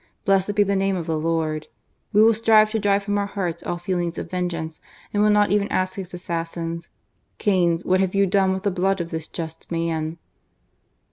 Blessed be the name of the Lord ! We will strive to drive from our hearts all feelings of vengeance, and will not even ask his assassins: Cains, what have you done with the blood of this just man